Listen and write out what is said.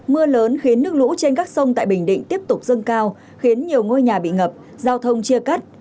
mưa lớn khiến nước lũ trên các sông tại bình định tiếp tục dâng cao khiến nhiều ngôi nhà bị ngập giao thông chia cắt